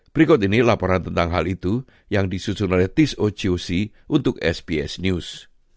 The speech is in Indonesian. berikut ini laporan tentang hal itu yang disusun oleh tis ococ untuk sbs news